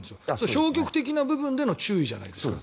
消極的な部分での注意じゃないですか。